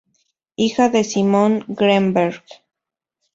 Hija de Simón Greenberg.